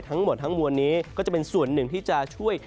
ทั้งหมดทั้งมวลนี้ก็จะเป็นส่วนหนึ่งที่จะช่วย